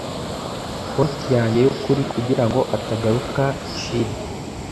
konti yanjye yukuri, kugirango atagaruka chide,